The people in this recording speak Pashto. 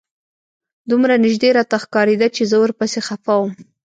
دومره نژدې راته ښکارېده چې زه ورپسې خپه وم.